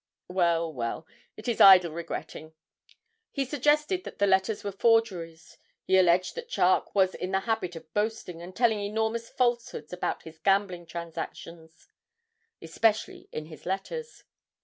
Well, well, it is idle regretting. He suggested that the letters were forgeries. He alleged that Charke was in the habit of boasting, and telling enormous falsehoods about his gambling transactions, especially in his letters.